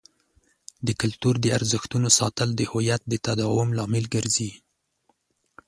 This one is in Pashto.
د کلتور د ارزښتونو ساتل د هویت د تداوم لامل ګرځي.